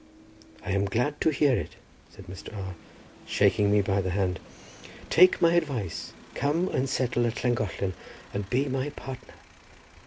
"I am glad to hear it," said Mr. R—, shaking me by the hand. "Take my advice, come and settle at Llangollen, and be my partner."